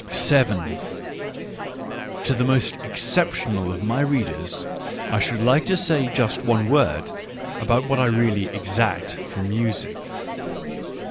To the most exceptional of my readers I should like to say just one word about what I really exact from music.